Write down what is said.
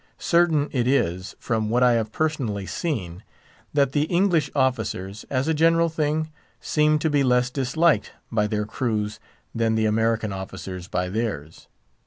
Certain it is, from what I have personally seen, that the English officers, as a general thing, seem to be less disliked by their crews than the American officers by theirs.